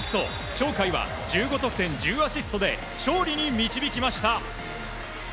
鳥海は１５得点１０アシストで勝利に導きました。